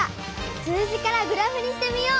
数字からグラフにしてみよう！